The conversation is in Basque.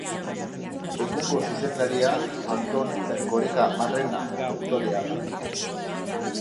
Egungo zuzendaria Anton Erkoreka Barrena doktorea da.